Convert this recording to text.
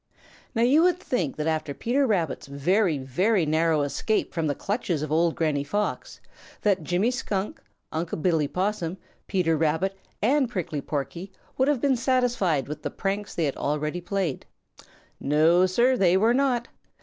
Now you would think that after Peter Rabbit's very, very, narrow escape from the clutches of Old Granny Fox that Jimmy Skunk, Unc' Billy Possum, Peter Rabbit, and Prickly Porky would have been satisfied with the pranks they already had played. No, Sir, they were not!